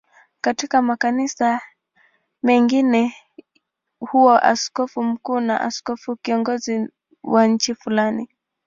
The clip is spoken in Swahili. Katika makanisa mengine huwa askofu mkuu ni askofu kiongozi wa nchi fulani.